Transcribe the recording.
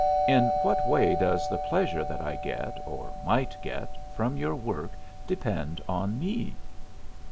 In what way does the pleasure that I get, or might get, from your work depend on me?"